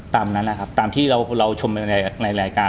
ตามนั้นนะครับตามที่เราชมไปในรายการ